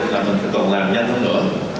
là mình cần làm nhanh hơn nữa